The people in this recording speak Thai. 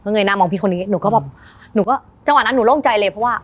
เยยหน้ามองพี่คนนี้หนูก็แบบหนูก็จังหวะนั้นหนูโล่งใจเลยเพราะว่า